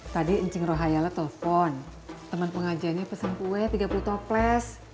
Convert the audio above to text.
tadi incing rohayalah telepon teman pengajiannya pesan kue tiga puluh toples